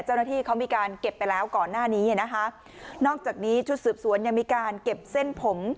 เจ้าหน้าที่เขามีการเก็บไปแล้วก่อนหน้านี้นะคะนอกจากนี้ชุดสืบสวนยังมีการเก็บเส้นผม